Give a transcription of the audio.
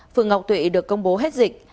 phường ngọc thụy được công bố hết dịch